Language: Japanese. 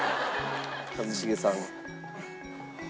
一茂さん。